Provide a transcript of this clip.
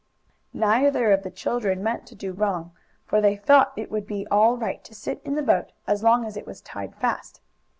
Neither of the children meant to do wrong, for they thought it would be all right to sit in the boat as long as it was tied fast.